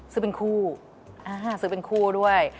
ซื้อเป็นคู่ซื้อเป็นคู่ด้วย